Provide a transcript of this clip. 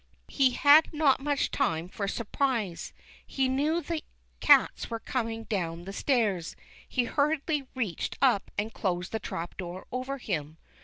He had not much time for surprise. He kneAv the cats were coming down the stairs. He hurriedly reached up and closed the trap door over him.